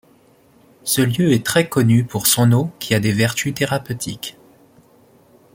Ce lieu est très connu pour son eau qui a des vertus thérapeutiques.